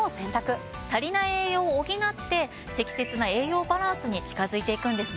足りない栄養を補って適切な栄養バランスに近づいていくんですね。